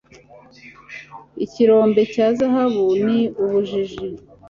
ikirombe cya zahabu ni ubujiji